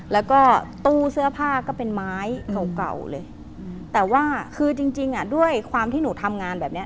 แล้วก็ตู้เสื้อผ้าก็เป็นไม้เก่าเก่าเลยแต่ว่าคือจริงจริงอ่ะด้วยความที่หนูทำงานแบบเนี้ย